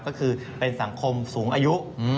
ก็คือเป็นสังคมสูงอายุ